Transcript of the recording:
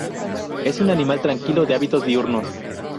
Es un animal tranquilo de hábitos diurnos.